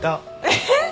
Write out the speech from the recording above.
えっ？